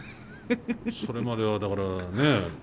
それまではだからね